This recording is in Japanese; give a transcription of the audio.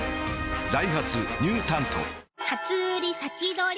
ダイハツニュー「タント」初売り